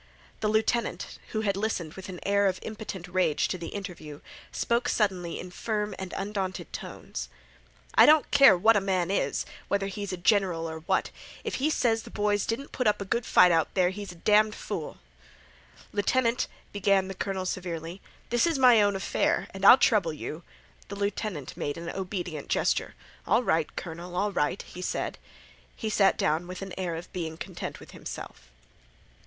The lieutenant, who had listened with an air of impotent rage to the interview, spoke suddenly in firm and undaunted tones. "I don't care what a man is—whether he is a general or what—if he says th' boys didn't put up a good fight out there he's a damned fool." "Lieutenant," began the colonel, severely, "this is my own affair, and I'll trouble you—" The lieutenant made an obedient gesture. "All right, colonel, all right," he said. He sat down with an air of being content with himself.